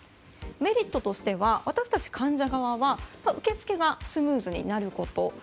メリットとしては私たち患者側は受け付けがスムーズになること。